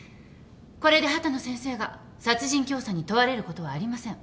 これで秦野先生が殺人教唆に問われることはありません。